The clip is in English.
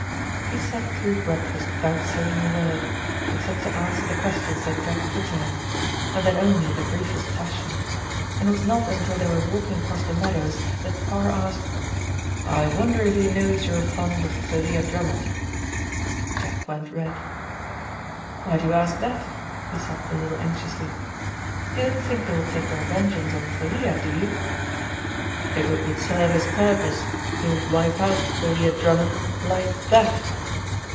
He sat through breakfast without saying a word, except to answer the questions that Jack put to him, and then only in the briefest fashion, and it was not until they were walking across the meadows that Parr asked: "I wonder if he knows you're fond of Thalia Drummond?" Jack went red. "Why do you ask that?" he said a little anxiously. "You don't think they will take their vengeance on Thalia, do you?" "If it would serve his purpose, he would wipe out Thalia Drummond like that."